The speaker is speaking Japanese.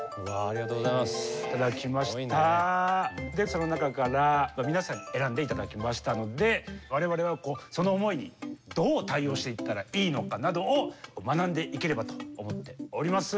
その中から皆さんに選んでいただきましたので我々はその思いにどう対応していったらいいのかなどを学んでいければと思っております。